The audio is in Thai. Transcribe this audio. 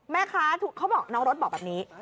แม่ค้าเขาบอกน้องรถบอกแบบนี้